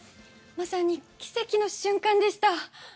まさに奇跡の瞬間でした。